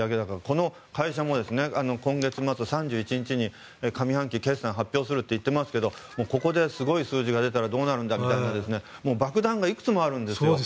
この会社も今月末、３１日に上半期、決算を発表するといっていますがここですごい数字が出たらどうなるんだみたいな爆弾がいくつもあるんですよ。